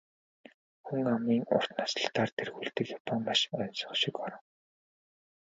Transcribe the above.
Хүн амын урт наслалтаар тэргүүлдэг Япон маш оньсого шиг орон.